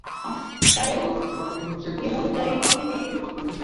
তাই নিয়মানুযায়ী সীমিত আকারে দরপত্র আহ্বান করা হয়েছিল।